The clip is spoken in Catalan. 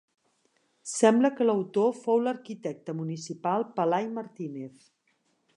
Sembla que l'autor fou l'arquitecte municipal Pelai Martínez.